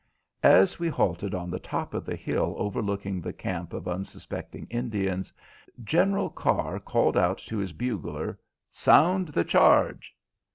As we halted on the top of the hill overlooking the camp of unsuspecting Indians, General Carr called out to his bugler, "Sound the charge!"